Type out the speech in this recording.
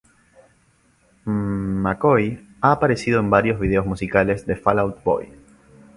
McCoy ha aparecido en varios vídeos musicales de Fall Out Boy.